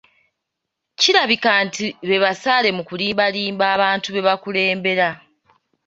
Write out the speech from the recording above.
Kirabika nti be basaale mu kulimbalimba abantu be bakulembera.